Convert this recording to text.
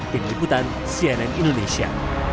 dengan ikutan cnn indonesia